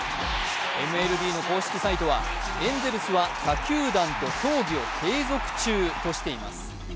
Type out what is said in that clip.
ＭＬＢの公式サイトは、エンゼルスは他球団と協議を継続中としています。